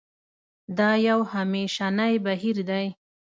دا یو همېشنی بهیر دی.